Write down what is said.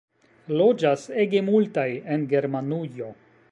Loĝas ege multaj en Germanujo.